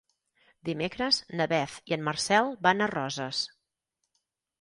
Dimecres na Beth i en Marcel van a Roses.